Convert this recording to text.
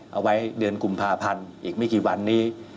เอาไว้เดือนกุมภาพันธ์อีกไม่กี่วันนี้